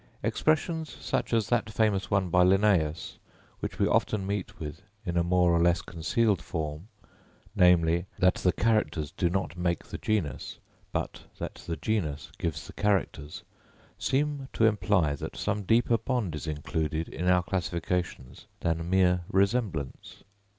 Expressions such as that famous one by Linnæus, which we often meet with in a more or less concealed form, namely, that the characters do not make the genus, but that the genus gives the characters, seem to imply that some deeper bond is included in our classifications than mere resemblance.